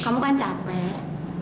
kamu kan capek